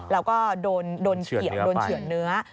แล้วก็โดนเฉียดโดนเฉื่อนเนื้อ